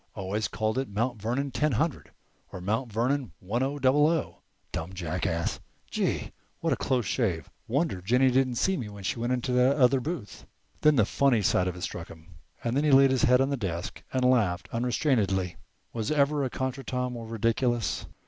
Always called it 'Mount Vernon ten hundred' or 'Mount Vernon one o double o.' Dumb jackass! Gee! what a close shave! Wonder Jennie didn't see me when she went in that other booth." Then the funny side of it struck him, and he laid his head on the desk and laughed unrestrainedly. Was ever a contretemps more ridiculous?